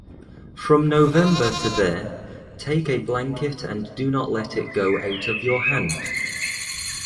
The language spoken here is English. From November to there, take a blanket and do not let it go out of your hand.